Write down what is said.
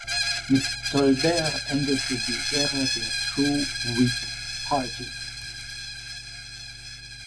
Mit Tolbert endete die Ära der True Whig Party.